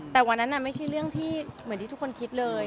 แต่วันนั้นไม่ใช่เรื่องที่เหมือนที่ทุกคนคิดเลย